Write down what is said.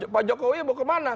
pak jokowi mau ke mana